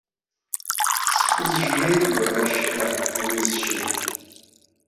Схы зжьеит уара шьҭа уанызжьа.